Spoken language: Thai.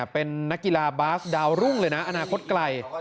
เป็นนักกีฬาบาสดาวรุ่งเลยนะอนาคตไกล